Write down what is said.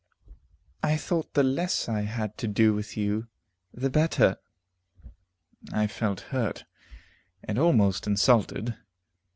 I thought the less I had to do with you the better." I felt hurt, and almost insulted.